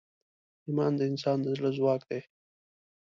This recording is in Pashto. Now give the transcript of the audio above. ایمان د انسان د زړه ځواک دی.